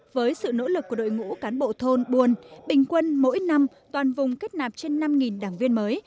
với sự nỗ lực của đội ngũ cán bộ thôn buôn bình quân mỗi năm toàn vùng kết nạp trên năm đảng viên mới